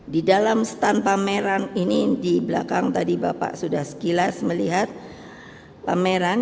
di dalam stand pameran ini di belakang tadi bapak sudah sekilas melihat pameran